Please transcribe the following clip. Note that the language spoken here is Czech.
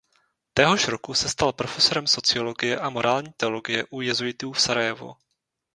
Téhož roku se stal profesorem sociologie a morální teologie u jezuitů v Sarajevu.